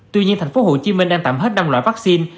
tuy nhiên tp hcm đang tạm hết năm loại vaccine